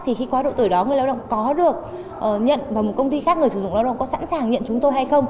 thì khi quá độ tuổi đó người lao động có được nhận vào một công ty khác người sử dụng lao động có sẵn sàng nhận chúng tôi hay không